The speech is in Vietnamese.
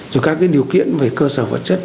rồi các điều kiện về cơ sở vật chất